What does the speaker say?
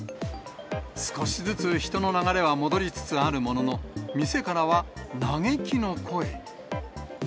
少しずつ人の流れは戻りつつあるものの、店からは嘆きの声。